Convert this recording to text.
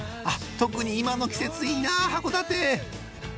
特に今の季節いいな函館！